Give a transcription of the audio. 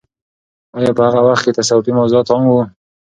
آیا په هغه وخت کې تصوفي موضوعات عام وو؟